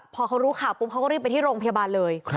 พอเขารู้ข่าวปุ๊บเขาก็รีบไปที่โรงพยาบาลเลย